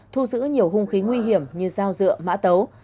thu giữ nhiều hung khí nguy hiểm như dao dựa mã tấu